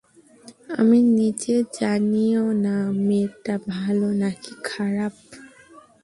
আমি নিজে জানিও না মেয়েটা ভালো নাকি খারাপ।